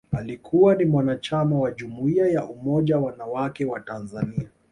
Alikuwa ni mwanachama wa Jumuiya ya Umoja Wanawake wa Tanzania